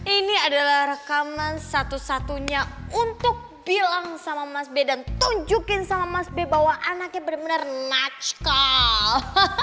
ini adalah rekaman satu satunya untuk bilang sama mas b dan tunjukin sama mas b bahwa anaknya bener bener naccount